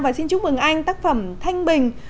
và xin chúc mừng anh tác phẩm thanh bình